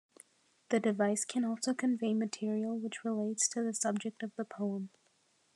The device can also convey material which relates to the subject of the poem.